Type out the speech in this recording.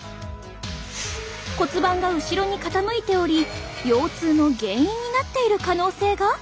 骨盤が後ろに傾いており腰痛の原因になっている可能性が！？